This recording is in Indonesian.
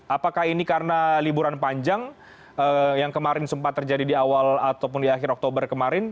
apakah ini karena liburan panjang yang kemarin sempat terjadi di awal ataupun di akhir oktober kemarin